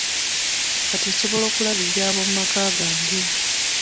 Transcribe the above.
Kati nsobola okulabirira ab'omumaka gange.